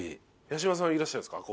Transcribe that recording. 八嶋さんいらっしゃるんですか？